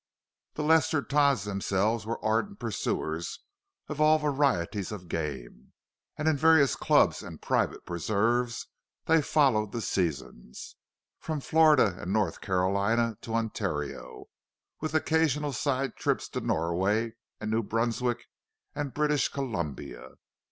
The Lester Todds themselves were ardent pursuers of all varieties of game, and in various clubs and private preserves they followed the seasons, from Florida and North Carolina to Ontario, with occasional side trips to Norway, and New Brunswick, and British Columbia.